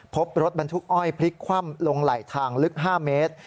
พบรถบรรทุกอ้อยพลิกคว่ำลงไหลทางลึก๕เมตร